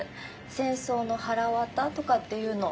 「戦争のはらわた」とかっていうの。